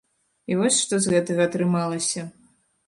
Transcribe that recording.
І вось што з гэтага атрымалася.